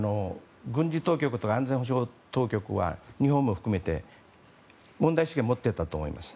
軍事当局とか安全保障当局は日本も含めて問題意識を持っていたと思います。